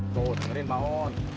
tuh dengerin pak on